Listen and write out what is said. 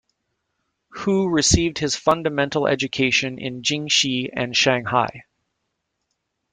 Hu received his fundamental education in Jixi and Shanghai.